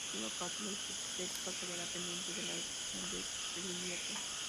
En todo caso la hipoteca quedará pendiente de la resolución del pleito.